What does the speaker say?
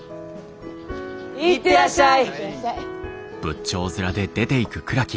行ってらっしゃい！